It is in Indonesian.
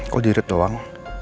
kok di reject doang